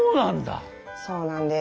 そうなんだ！